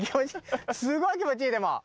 すごい気持ちいいでも。